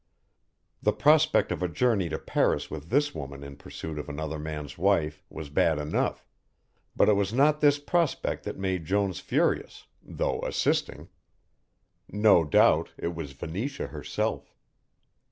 The prospect of a journey to Paris with this woman in pursuit of another man's wife was bad enough, but it was not this prospect that made Jones furious, though assisting. No doubt, it was Venetia herself.